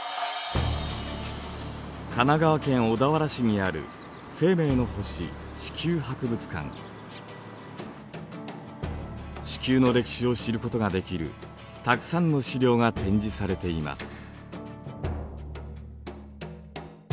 神奈川県小田原市にある地球の歴史を知ることができるたくさんの資料が展示されています。